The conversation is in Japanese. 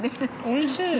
おいしい！